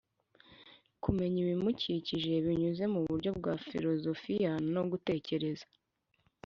kumenya ibimukikije binyuze mu buryo bwa filozofiya no gutekereza